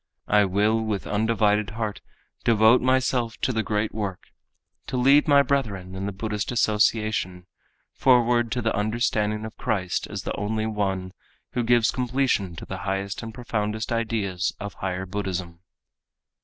I will with undivided heart devote myself to the great work; to lead my brethren in the Buddhist Association forward to the understanding of Christ as the only One, who gives completion to the highest and profoundest ideas of Higher Buddhism.